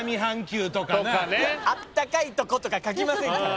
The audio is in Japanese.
あったかいとことか書きませんから。